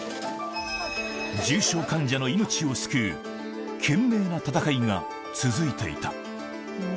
重症患者の命を救う懸命な闘いが続いていた。